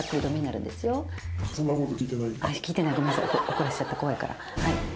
怒らせちゃった怖いからはい。